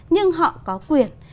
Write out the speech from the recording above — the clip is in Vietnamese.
nhưng họ có quyền